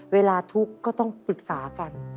เวลาทุกข์ก็ต้องปรึกษากัน